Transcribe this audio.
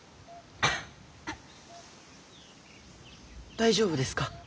大丈夫ですか？